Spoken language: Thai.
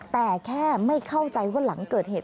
แต่แค่ไม่เข้าใจว่าหลังเกิดเหตุ